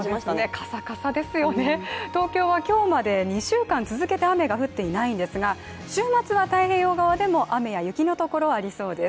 カサカサですよね、東京は今日まで２週間続けて雨が降っていないんですが週末は太平洋側でも雨や雪の所がありそうです